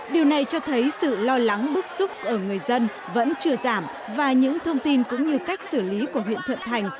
điều này cho thấy sự lo lắng bức xúc ở người dân vẫn chưa giảm và những thông tin cũng như cách xử lý của huyện thuận thành